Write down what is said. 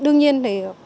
đương nhiên thì